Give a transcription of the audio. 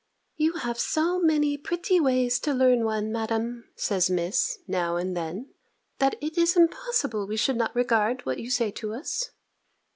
"You have so many pretty ways to learn one, Madam," says Miss, now and then, "that it is impossible we should not regard what you say to us!"